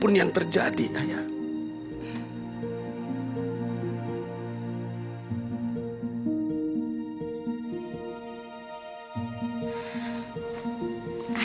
untuk berjumpa aja tetapi ini ama aku pasti